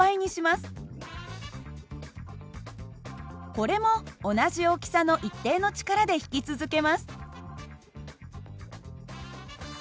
これも同じ大きさの一定の力で引き続けます。